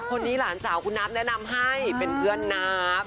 หลานสาวคุณนับแนะนำให้เป็นเพื่อนนับ